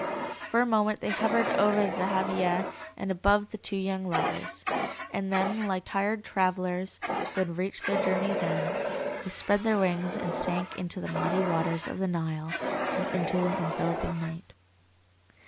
For a moment they hovered over the dahabiyeh and above the two young lovers, and then, like tired travellers who had reached their journey's end, they spread their wings and sank to the muddy waters of the Nile and into the enveloping night.